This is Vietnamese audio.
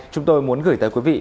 chúng tôi muốn gửi tới quý vị